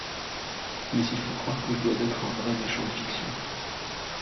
Mais il faut croire que je dois être un vrai méchant de fiction.